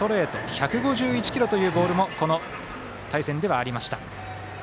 １５１キロというボールもこの対戦ではありました。